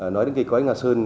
nói đến cây cõi nga sơn